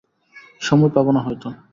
সময় পাব না হয়তো।